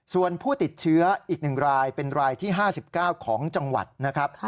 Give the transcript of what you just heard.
ส่วนผู้ติดเชื้ออีก๑รายเป็นรายที่๕๙ของจังหวัดนะครับ